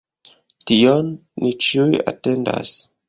Tion ni ĉiuj atendas.